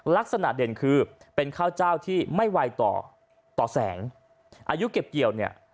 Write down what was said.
ลักษณะเด่นคือเป็นข้าวเจ้าที่ไม่ไวต่อต่อแสงอายุเก็บเกี่ยวเนี่ย